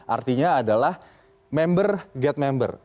artinya adalah member get member